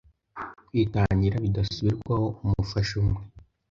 kwitangira bidasubirwaho umufasha umwe